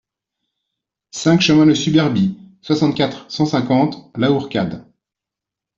cinq chemin de Suberbie, soixante-quatre, cent cinquante, Lahourcade